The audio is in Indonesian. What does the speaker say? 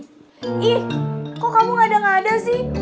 ih kok kamu ngada ngada sih